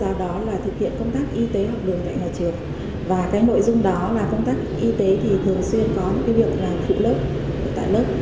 và cái nội dung đó là công tác y tế thì thường xuyên có cái việc là phụ lớp tại lớp